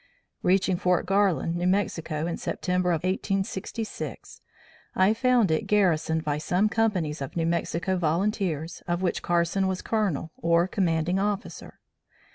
Reaching Fort Garland, New Mexico, in September of October, 1866, I found it garrisoned by some companies of New Mexico Volunteers, of which Carson was Colonel or commanding officer.